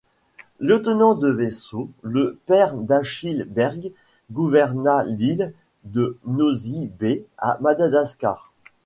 Lieutenant de vaisseau, le père d’Achille Berg gouverna l’île de Nosy-Bé à Madagascar.